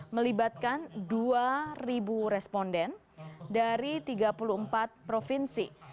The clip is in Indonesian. melibatkan dua responden dari tiga puluh empat provinsi